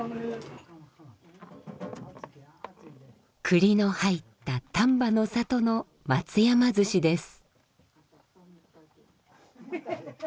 くりの入った丹波の里の松山鮓です。